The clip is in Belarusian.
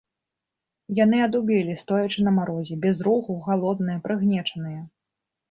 Яны адубелі, стоячы на марозе, без руху, галодныя, прыгнечаныя.